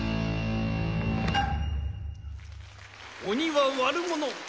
おにはわるもの。